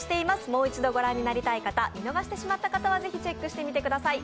もう一度御覧になりたい方見逃してしまった方はぜひチェックしてみてください。